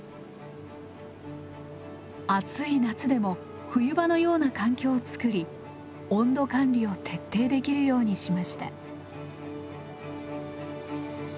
暑い夏でも冬場のような環境を作り温度管理を徹底できるようにしました。